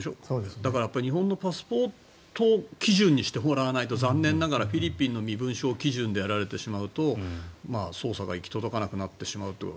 だから、日本のパスポート基準にしてもらわないと残念ながらフィリピンの身分証基準でやられてしまうと捜査が行き届かなくなってしまう。